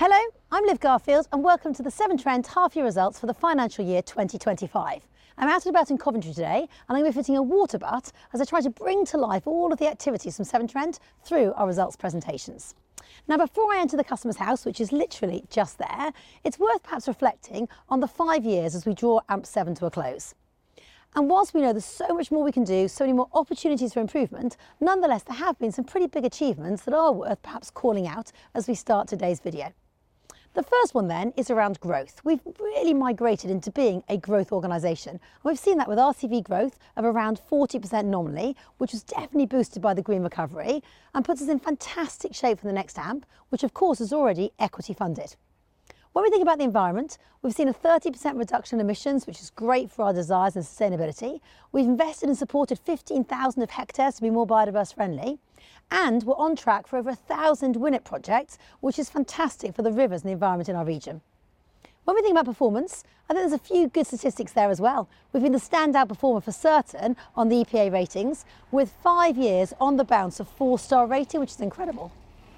Hello, I'm Liv Garfield, and welcome to the Severn Trent half-year results for the financial year 2025. I'm out and about in Coventry today, and I'm here fitting a water butt as I try to bring to life all of the activities from Severn Trent through our results presentations. Now, before I enter the customer's house, which is literally just there, it's worth perhaps reflecting on the five years as we draw AMP7 to a close. And whilst we know there's so much more we can do, so many more opportunities for improvement, nonetheless, there have been some pretty big achievements that are worth perhaps calling out as we start today's video. The first one then is around growth. We've really migrated into being a growth organization. We've seen that with RCV growth of around 40% normally, which was definitely boosted by the Green Recovery and puts us in fantastic shape for the next AMP, which of course is already equity funded. When we think about the environment, we've seen a 30% reduction in emissions, which is great for our ESGs and sustainability. We've invested and supported 15,000 hectares to be more biodiverse friendly, and we're on track for over a thousand wetland projects, which is fantastic for the rivers and the environment in our region. When we think about performance, I think there's a few good statistics there as well. We've been the standout performer for certain on the EPA ratings, with five years on the bounce of four-star rating, which is incredible.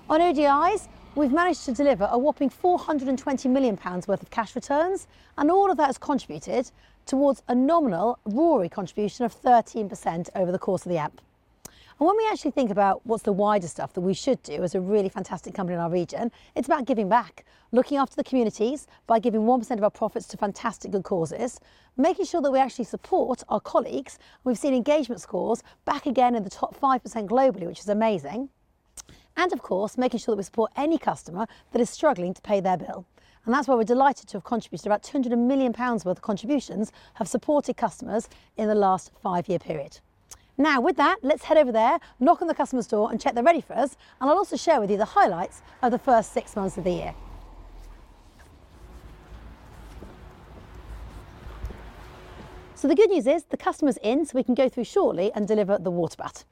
On ODIs, we've managed to deliver a whopping 420 million pounds worth of cash returns, and all of that has contributed towards a nominal ROI contribution of 13% over the course of the AMP, and when we actually think about what's the wider stuff that we should do as a really fantastic company in our region, it's about giving back, looking after the communities by giving 1% of our profits to fantastic good causes, making sure that we actually support our colleagues. We've seen engagement scores back again in the top 5% globally, which is amazing, and of course, making sure that we support any customer that is struggling to pay their bill, and that's why we're delighted to have contributed about 200 million pounds worth of contributions that have supported customers in the last five-year period. Now, with that, let's head over there, knock on the customer's door and check they're ready for us. And I'll also share with you the highlights of the first six months of the year. So the good news is the customer's in, so we can go through shortly and deliver the water butt.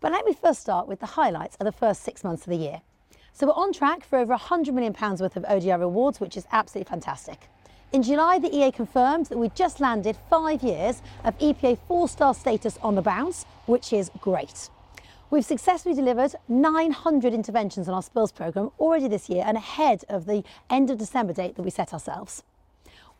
But let me first start with the highlights of the first six months of the year. So we're on track for over 100 million pounds worth of ODI rewards, which is absolutely fantastic. In July, the EA confirmed that we just landed five years of EPA four-star status on the bounce, which is great. We've successfully delivered 900 interventions on our spills programme already this year and ahead of the end of December date that we set ourselves.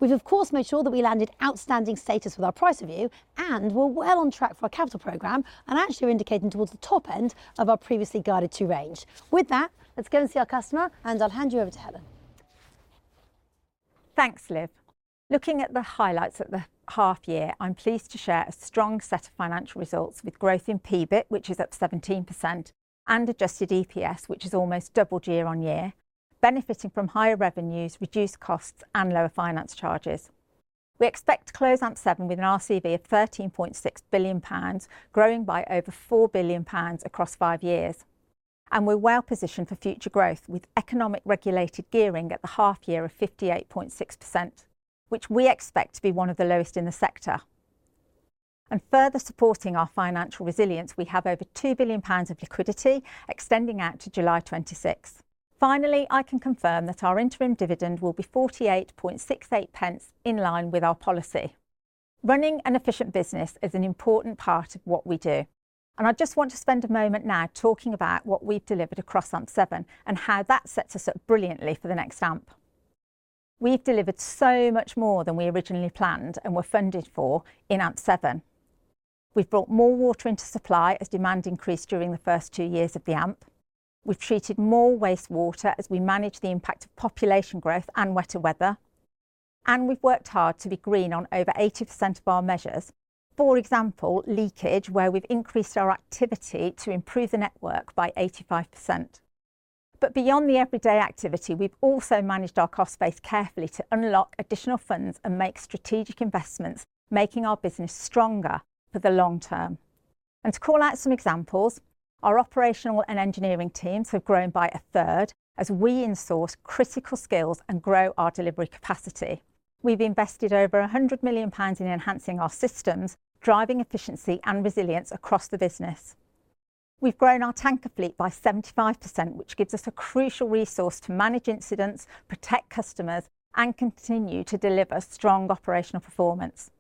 We've of course made sure that we landed outstanding status with our Price Review and we're well on track for our capital program and actually we're indicating toward the top end of our previously guided-to range. With that, let's go and see our customer and I'll hand you over to Helen. Thanks, Liv. Looking at the highlights of the half year, I'm pleased to share a strong set of financial results with growth in PBIT, which is up 17%, and adjusted EPS, which has almost doubled year-on-year, benefiting from higher revenues, reduced costs, and lower finance charges. We expect to close AMP7 with an RCV of 13.6 billion pounds, growing by over 4 billion pounds across five years. And we're well positioned for future growth with economic regulated gearing at the half year of 58.6%, which we expect to be one of the lowest in the sector. And further supporting our financial resilience, we have over 2 billion pounds of liquidity extending out to July 26th. Finally, I can confirm that our interim dividend will be 48.68 in line with our policy. Running an efficient business is an important part of what we do. I just want to spend a moment now talking about what we've delivered across AMP7 and how that sets us up brilliantly for the next AMP. We've delivered so much more than we originally planned and were funded for in AMP7. We've brought more water into supply as demand increased during the first two years of the AMP. We've treated more wastewater as we manage the impact of population growth and wetter weather. We've worked hard to be green on over 80% of our measures, for example, leakage, where we've increased our activity to improve the network by 85%. But beyond the everyday activity, we've also managed our cost base carefully to unlock additional funds and make strategic investments, making our business stronger for the long term. And to call out some examples, our operational and engineering teams have grown by a third as we insource critical skills and grow our delivery capacity. We've invested over 100 million pounds in enhancing our systems, driving efficiency and resilience across the business. We've grown our tanker fleet by 75%, which gives us a crucial resource to manage incidents, protect customers, and continue to deliver strong operational performance.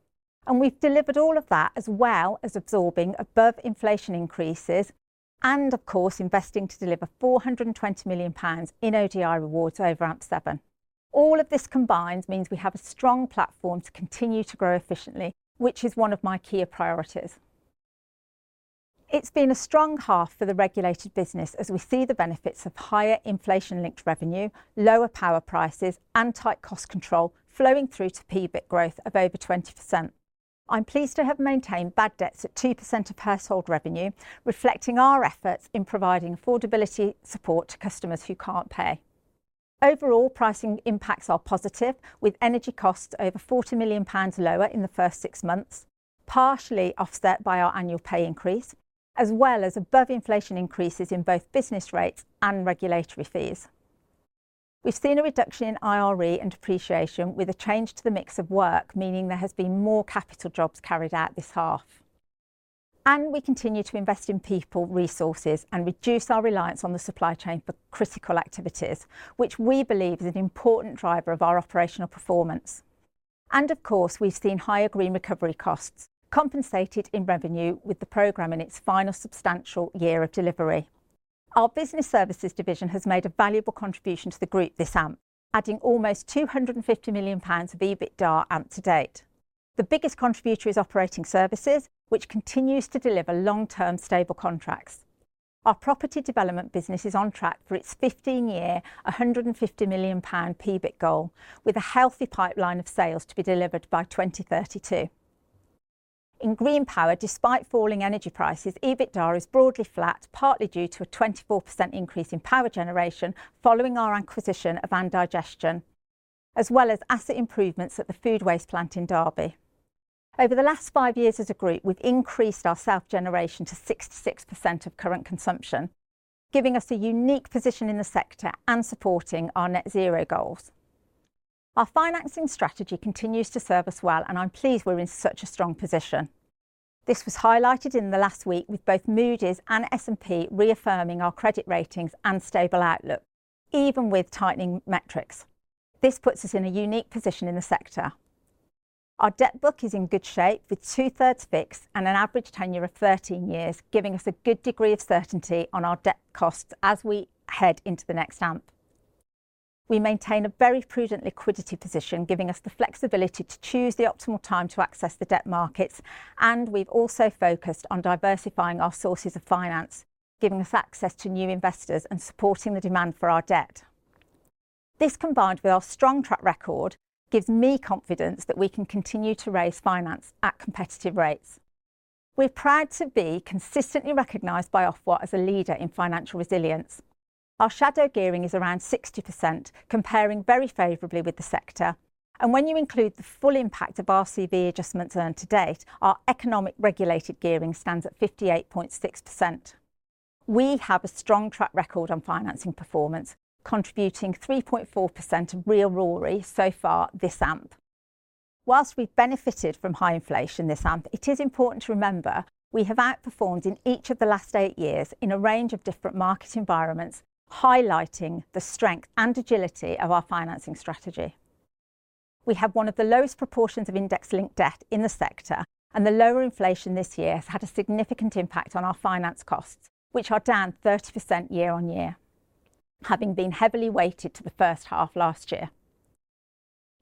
And we've delivered all of that as well as absorbing above inflation increases and, of course, investing to deliver 420 million pounds in ODI rewards over AMP7. All of this combined means we have a strong platform to continue to grow efficiently, which is one of my key priorities. It's been a strong half for the regulated business as we see the benefits of higher inflation-linked revenue, lower power prices, and tight cost control flowing through to PBIT growth of over 20%. I'm pleased to have maintained bad debts at 2% of household revenue, reflecting our efforts in providing affordability support to customers who can't pay. Overall, pricing impacts are positive, with energy costs over 40 million pounds lower in the first six months, partially offset by our annual pay increase, as well as above inflation increases in both business rates and regulatory fees. We've seen a reduction in IRE and depreciation with a change to the mix of work, meaning there has been more capital jobs carried out this half. And we continue to invest in people, resources, and reduce our reliance on the supply chain for critical activities, which we believe is an important driver of our operational performance. And of course, we've seen higher Green Recovery costs compensated in revenue with the program in its final substantial year of delivery. Our business services division has made a valuable contribution to the group this AMP, adding almost 250 million pounds of EBITDA AMP to date. The biggest contributor is operating services, which continues to deliver long-term stable contracts. Our property development business is on track for its 15-year, 150 million pound PBIT goal, with a healthy pipeline of sales to be delivered by 2032. In green power, despite falling energy prices, EBITDA is broadly flat, partly due to a 24% increase in power generation following our acquisition of Andigestion, as well as asset improvements at the food waste plant in Derby. Over the last five years as a group, we've increased our self-generation to 66% of current consumption, giving us a unique position in the sector and supporting our net zero goals. Our financing strategy continues to serve us well, and I'm pleased we're in such a strong position. This was highlighted in the last week with both Moody's and S&P reaffirming our credit ratings and stable outlook, even with tightening metrics. This puts us in a unique position in the sector. Our debt book is in good shape with two-thirds fix and an average tenure of 13 years, giving us a good degree of certainty on our debt costs as we head into the next AMP. We maintain a very prudent liquidity position, giving us the flexibility to choose the optimal time to access the debt markets, and we've also focused on diversifying our sources of finance, giving us access to new investors and supporting the demand for our debt. This combined with our strong track record gives me confidence that we can continue to raise finance at competitive rates. We're proud to be consistently recognised by Ofwat as a leader in financial resilience. Our shadow gearing is around 60%, comparing very favorably with the sector. And when you include the full impact of RCV adjustments earned to date, our economic regulated gearing stands at 58.6%. We have a strong track record on financing performance, contributing 3.4% of real ROI so far this AMP. While we've benefited from high inflation this AMP, it is important to remember we have outperformed in each of the last eight years in a range of different market environments, highlighting the strength and agility of our financing strategy. We have one of the lowest proportions of index-linked debt in the sector, and the lower inflation this year has had a significant impact on our finance costs, which are down 30% year-on-year, having been heavily weighted to the first half last year.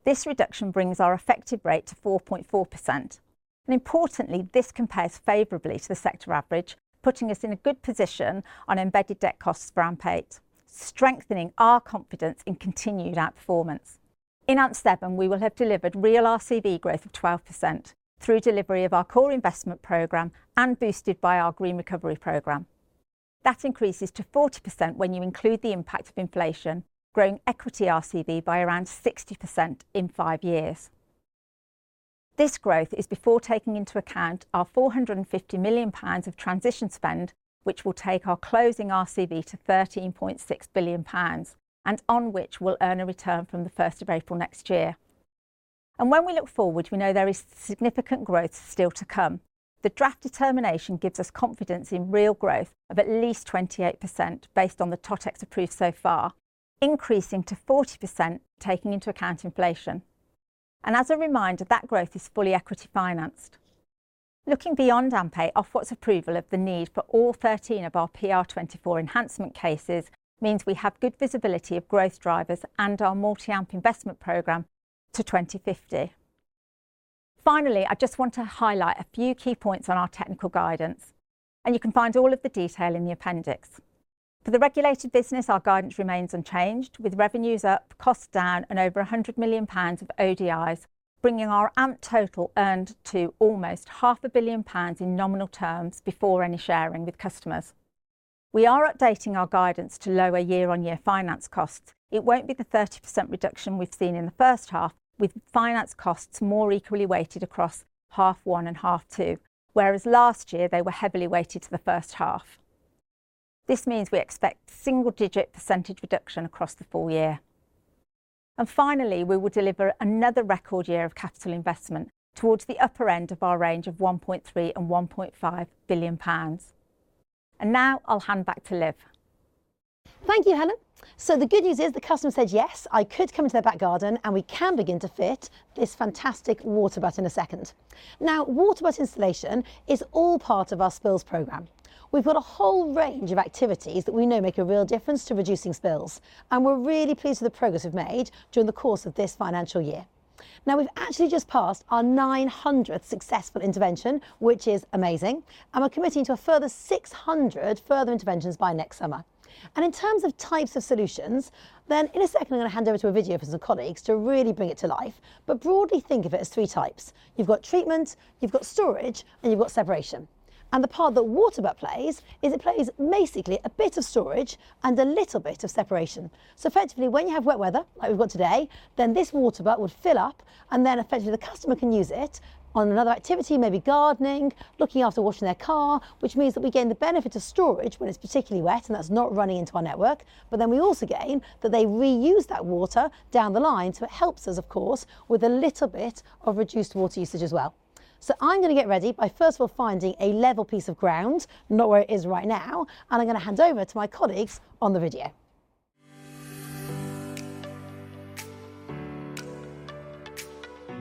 This reduction brings our effective rate to 4.4%. Importantly, this compares favorably to the sector average, putting us in a good position on embedded debt costs for AMP8, strengthening our confidence in continued outperformance. In AMP7, we will have delivered real RCV growth of 12% through delivery of our core investment program and boosted by our Green Recovery program. That increases to 40% when you include the impact of inflation, growing equity RCV by around 60% in five years. This growth is before taking into account our 450 million pounds of transition spend, which will take our closing RCV to 13.6 billion pounds, and on which we'll earn a return from the 1st of April next year. When we look forward, we know there is significant growth still to come. The Draft Determination gives us confidence in real growth of at least 28% based on the Totex approved so far, increasing to 40% taking into account inflation, and as a reminder, that growth is fully equity financed. Looking beyond AMP8, Ofwat's approval of the need for all 13 of our PR24 enhancement cases means we have good visibility of growth drivers and our multi-AMP investment programme to 2050. Finally, I just want to highlight a few key points on our technical guidance, and you can find all of the detail in the appendix. For the regulated business, our guidance remains unchanged, with revenues up, costs down, and over 100 million pounds of ODIs bringing our AMP total earned to almost 500 million pounds in nominal terms before any sharing with customers. We are updating our guidance to lower year-on-year finance costs. It won't be the 30% reduction we've seen in the first half, with finance costs more equally weighted across half one and half two, whereas last year they were heavily weighted to the first half. This means we expect single-digit percentage reduction across the full year. And finally, we will deliver another record year of capital investment towards the upper end of our range of 1.3 billion-1.5 billion pounds. And now I'll hand back to Liv. Thank you, Helen. The good news is the customer said, "Yes, I could come into their back garden and we can begin to fit this fantastic water butt in a second." Water butt installation is all part of our spills programme. We've got a whole range of activities that we know make a real difference to reducing spills, and we're really pleased with the progress we've made during the course of this financial year. We've actually just passed our 900th successful intervention, which is amazing, and we're committing to a further 600 interventions by next summer. In terms of types of solutions, then in a second, I'm going to hand over to a video from some colleagues to really bring it to life. Broadly, think of it as three types. You've got treatment, you've got storage, and you've got separation. The part that water butt plays is it plays basically a bit of storage and a little bit of separation. So effectively, when you have wet weather like we've got today, then this water butt would fill up and then effectively the customer can use it on another activity, maybe gardening, looking after washing their car, which means that we gain the benefit of storage when it's particularly wet and that's not running into our network. But then we also gain that they reuse that water down the line. So it helps us, of course, with a little bit of reduced water usage as well. I'm going to get ready by first of all finding a level piece of ground, not where it is right now, and I'm going to hand over to my colleagues on the video.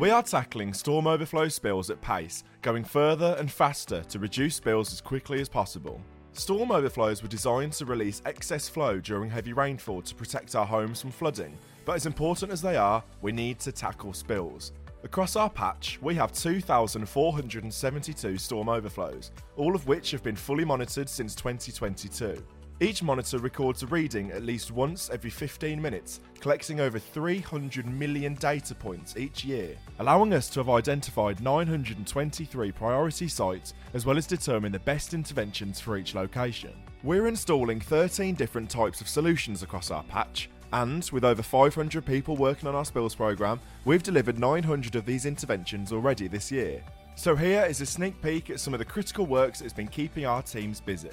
We are tackling storm overflow spills at pace, going further and faster to reduce spills as quickly as possible. Storm overflows were designed to release excess flow during heavy rainfall to protect our homes from flooding. But as important as they are, we need to tackle spills. Across our patch, we have 2,472 storm overflows, all of which have been fully monitored since 2022. Each monitor records a reading at least once every 15 minutes, collecting over 300 million data points each year, allowing us to have identified 923 priority sites as well as determine the best interventions for each location. We're installing 13 different types of solutions across our patch, and with over 500 people working on our spills program, we've delivered 900 of these interventions already this year. So here is a sneak peek at some of the critical work that's been keeping our teams busy.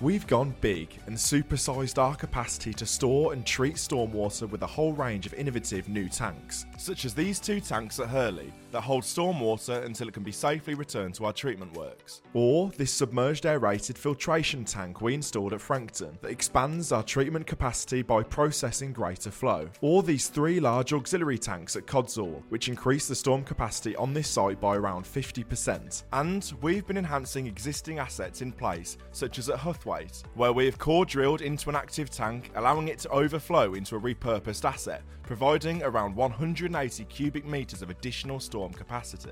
We've gone big and supersized our capacity to store and treat storm water with a whole range of innovative new tanks, such as these two tanks at Hurley that hold storm water until it can be safely returned to our treatment works, or this submerged aerated filtration tank we installed at Frankton that expands our treatment capacity by processing greater flow, or these three large auxiliary tanks at Codsall, which increase the storm capacity on this site by around 50%. And we've been enhancing existing assets in place, such as at Huthwaite, where we have core drilled into an active tank, allowing it to overflow into a repurposed asset, providing around 180 m3 of additional storm capacity.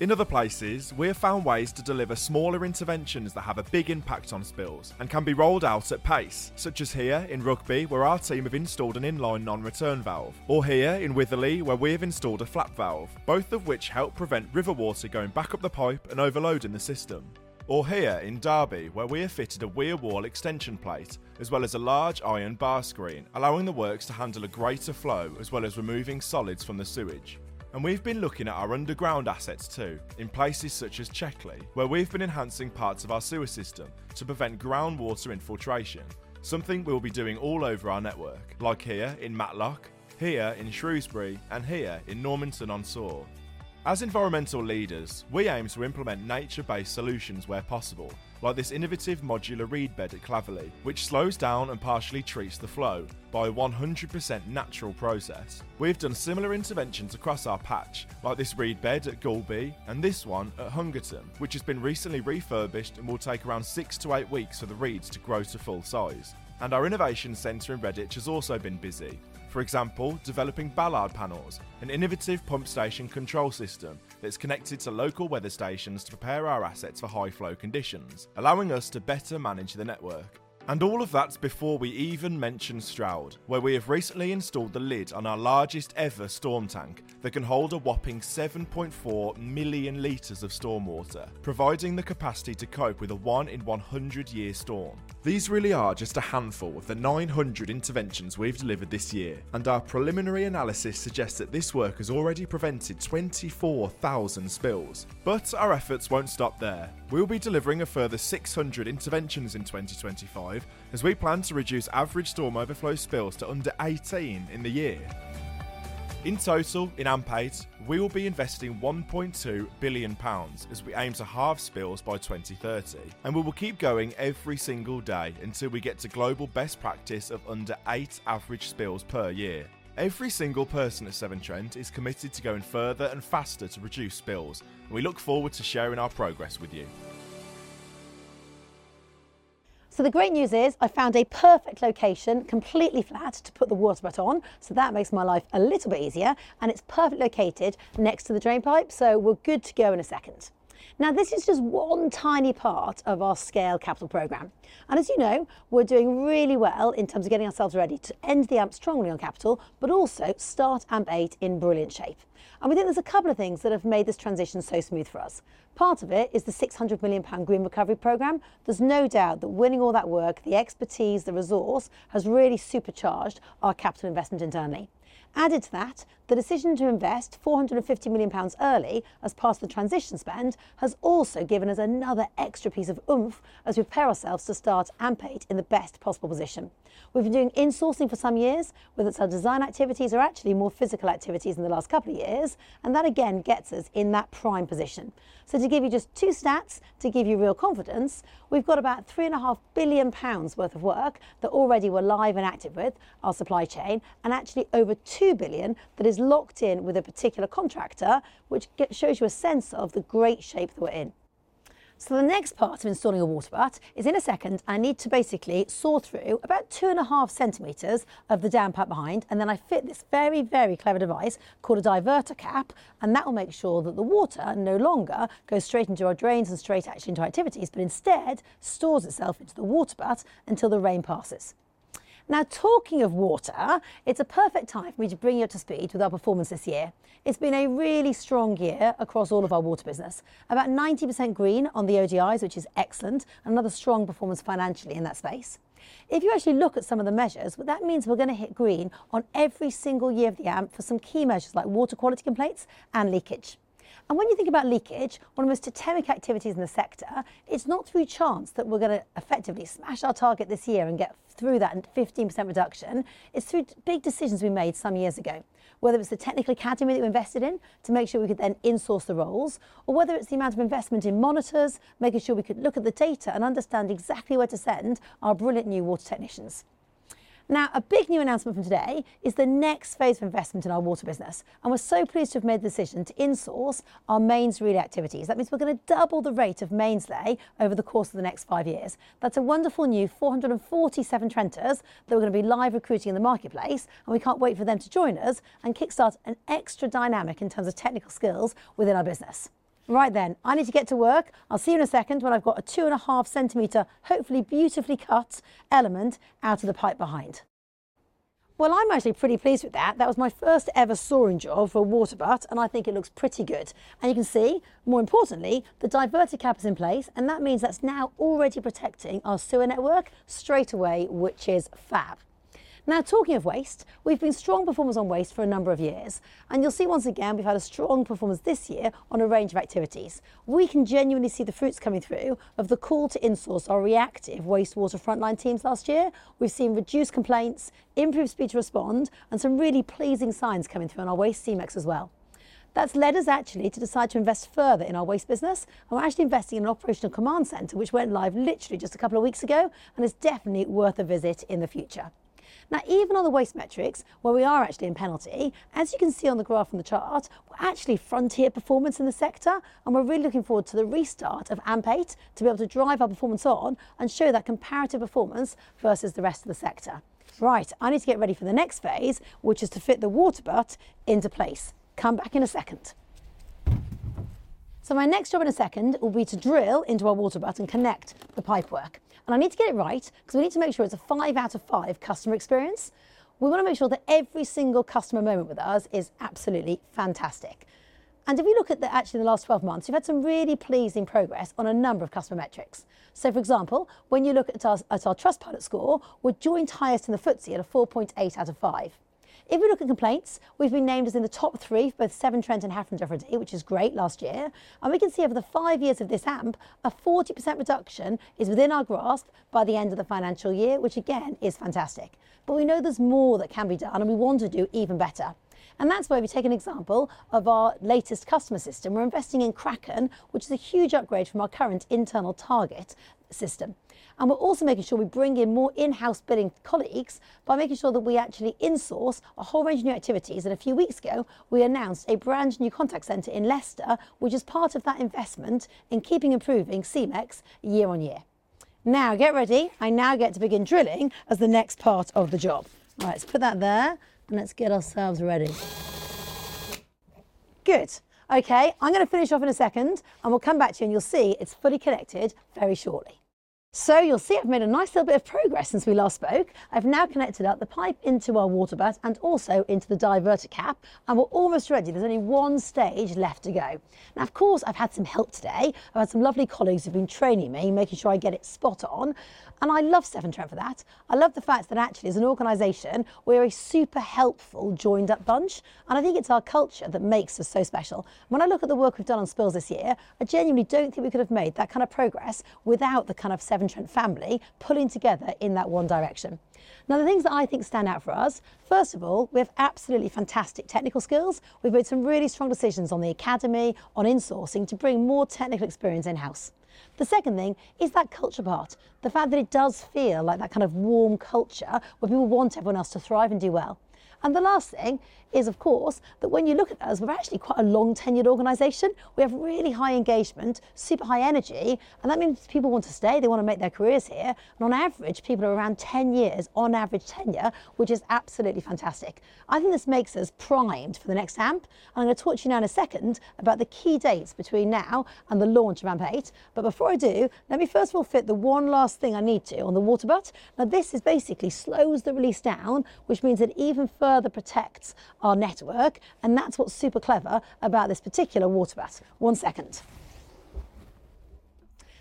In other places, we've found ways to deliver smaller interventions that have a big impact on spills and can be rolled out at pace, such as here in Rugby, where our team have installed an inline non-return valve, or here in Witherley, where we've installed a flap valve, both of which help prevent river water going back up the pipe and overloading the system, or here in Derby, where we have fitted a rear wall extension plate as well as a large iron bar screen, allowing the works to handle a greater flow as well as removing solids from the sewage, and we've been looking at our underground assets too, in places such as Checkley, where we've been enhancing parts of our sewer system to prevent groundwater infiltration, something we'll be doing all over our network, like here in Matlock, here in Shrewsbury, and here in Normanton on Soar. As environmental leaders, we aim to implement nature-based solutions where possible, like this innovative modular reed bed at Claverley, which slows down and partially treats the flow by a 100% natural process. We've done similar interventions across our patch, like this reed bed at Galby and this one at Hungerton, which has been recently refurbished and will take around six to eight weeks for the reeds to grow to full size, and our innovation centre in Redditch has also been busy, for example, developing Ballard panels, an innovative pump station control system that's connected to local weather stations to prepare our assets for high flow conditions, allowing us to better manage the network. And all of that before we even mention Stroud, where we have recently installed the lid on our largest ever storm tank that can hold a whopping 7.4 million liters of storm water, providing the capacity to cope with a one-in-100-year storm. These really are just a handful of the 900 interventions we've delivered this year, and our preliminary analysis suggests that this work has already prevented 24,000 spills. But our efforts won't stop there. We'll be delivering a further 600 interventions in 2025, as we plan to reduce average storm overflow spills to under 18 in the year. In total, in AMP8, we will be investing GBP 1.2 billion as we aim to halve spills by 2030, and we will keep going every single day until we get to global best practice of under eight average spills per year. Every single person at Severn Trent is committed to going further and faster to reduce spills, and we look forward to sharing our progress with you. So the great news is I found a perfect location, completely flat, to put the water butt on. So that makes my life a little bit easier, and it's perfectly located next to the drainpipe, so we're good to go in a second. Now, this is just one tiny part of our scale capital program, and as you know, we're doing really well in terms of getting ourselves ready to end the AMP strongly on capital, but also start AMP8 in brilliant shape, and we think there's a couple of things that have made this transition so smooth for us. Part of it is the 600 million pound Green Recovery program. There's no doubt that winning all that work, the expertise, the resource has really supercharged our capital investment internally. Added to that, the decision to invest 450 million pounds early as part of the transition spend has also given us another extra piece of oomph as we prepare ourselves to start AMP8 in the best possible position. We've been doing insourcing for some years, but our design activities are actually more physical activities in the last couple of years, and that again gets us in that prime position. So to give you just two stats to give you real confidence, we've got about 3.5 billion pounds worth of work that already we're live and active with our supply chain, and actually over 2 billion that is locked in with a particular contractor, which shows you a sense of the great shape that we're in. So the next part of installing a water butt is in a second. I need to basically saw through about two and a half centimeters of the downpipe behind, and then I fit this very, very clever device called a diverter cap, and that will make sure that the water no longer goes straight into our drains and straight actually into our activities, but instead stores itself into the water butt until the rain passes. Now, talking of water, it's a perfect time for me to bring you up to speed with our performance this year. It's been a really strong year across all of our water business, about 90% green on the ODIs, which is excellent, and another strong performance financially in that space. If you actually look at some of the measures, that means we're going to hit green on every single year of the AMP for some key measures like water quality complaints and leakage. And when you think about leakage, one of the most systemic activities in the sector, it's not through chance that we're going to effectively smash our target this year and get through that 15% reduction. It's through big decisions we made some years ago, whether it's the technical academy that we invested in to make sure we could then insource the roles, or whether it's the amount of investment in monitors, making sure we could look at the data and understand exactly where to send our brilliant new water technicians. Now, a big new announcement from today is the next phase of investment in our water business, and we're so pleased to have made the decision to insource our mains renewal activities. That means we're going to double the rate of mains re-lay over the course of the next five years. That's a wonderful new 447 Trenters that we're going to be live recruiting in the marketplace, and we can't wait for them to join us and kickstart an extra dynamic in terms of technical skills within our business. Right then, I need to get to work. I'll see you in a second when I've got a 2.5 cm, hopefully beautifully cut element out of the pipe behind. I'm actually pretty pleased with that. That was my first ever sawing job for a water butt, and I think it looks pretty good. You can see, more importantly, the diverter cap is in place, and that means that's now already protecting our sewer network straight away, which is fab. Now, talking of waste, we've been strong performers on waste for a number of years, and you'll see once again we've had a strong performance this year on a range of activities. We can genuinely see the fruits coming through of the call to insource our reactive wastewater frontline teams last year. We've seen reduced complaints, improved speed to respond, and some really pleasing signs coming through on our waste C-MeX as well. That's led us actually to decide to invest further in our waste business, and we're actually investing in an operational command center, which went live literally just a couple of weeks ago and is definitely worth a visit in the future. Now, even on the waste metrics, where we are actually in penalty, as you can see on the graph on the chart, we're actually frontier performance in the sector, and we're really looking forward to the restart of AMP8 to be able to drive our performance on and show that comparative performance versus the rest of the sector. Right, I need to get ready for the next phase, which is to fit the water butt into place. Come back in a second. So my next job in a second will be to drill into our water butt and connect the pipework, and I need to get it right because we need to make sure it's a five out of five customer experience. We want to make sure that every single customer moment with us is absolutely fantastic. And if we look at actually the last 12 months, we've had some really pleasing progress on a number of customer metrics. So for example, when you look at our Trustpilot score, we're joint highest in the FTSE at a 4.8 out of five. If we look at complaints, we've been named as in the top three for both Severn Trent and Hafren Dyfrdwy, which is great last year. And we can see over the five years of this AMP, a 40% reduction is within our grasp by the end of the financial year, which again is fantastic. But we know there's more that can be done, and we want to do even better. And that's why we take an example of our latest customer system. We're investing in Kraken, which is a huge upgrade from our current internal target system. And we're also making sure we bring in more in-house billing colleagues by making sure that we actually insource a whole range of new activities. And a few weeks ago, we announced a brand new contact centre in Leicester, which is part of that investment in keeping improving C-MeX year-on-year. Now get ready. I now get to begin drilling as the next part of the job. All right, let's put that there and let's get ourselves ready. Good. Okay, I'm going to finish off in a second and we'll come back to you and you'll see it's fully connected very shortly. So you'll see I've made a nice little bit of progress since we last spoke. I've now connected up the pipe into our water butt and also into the diverter cap, and we're almost ready. There's only one stage left to go. Now, of course, I've had some help today. I've had some lovely colleagues who've been training me, making sure I get it spot on. And I love Severn Trent for that. I love the fact that actually as an organization, we're a super helpful joined-up bunch, and I think it's our culture that makes us so special. When I look at the work we've done on spills this year, I genuinely don't think we could have made that kind of progress without the kind of Severn Trent family pulling together in that one direction. Now, the things that I think stand out for us, first of all, we have absolutely fantastic technical skills. We've made some really strong decisions on the academy, on insourcing to bring more technical experience in-house. The second thing is that culture part, the fact that it does feel like that kind of warm culture where people want everyone else to thrive and do well, and the last thing is, of course, that when you look at us, we're actually quite a long-tenured organization. We have really high engagement, super high energy, and that means people want to stay. They want to make their careers here, and on average, people are around 10 years on average tenure, which is absolutely fantastic. I think this makes us primed for the next AMP, and I'm going to talk to you now in a second about the key dates between now and the launch of AMP8, but before I do, let me first of all fit the one last thing I need to on the water butt. Now, this basically slows the release down, which means it even further protects our network, and that's what's super clever about this particular water butt. One second.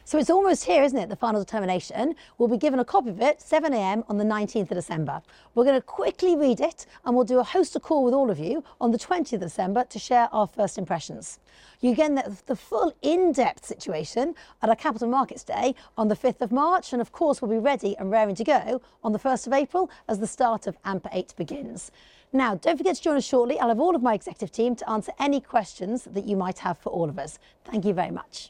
So it's almost here, isn't it? The Final Determination. We'll be given a copy of it at 7:00 A.M. on the 19th of December. We're going to quickly read it, and we'll do a host of calls with all of you on the 20th of December to share our first impressions. You can get the full in-depth situation at our Capital Markets Day on the 5th of March, and of course, we'll be ready and raring to go on the 1st of April as the start of AMP8 begins. Now, don't forget to join us shortly. I'll have all of my executive team to answer any questions that you might have for all of us. Thank you very much.